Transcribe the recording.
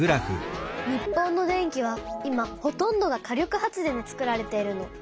日本の電気は今ほとんどが火力発電でつくられているの。